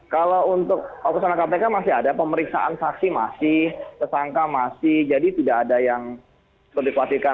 kalau untuk operasional kpk masih ada pemeriksaan saksi masih tersangka masih jadi tidak ada yang dikhawatirkan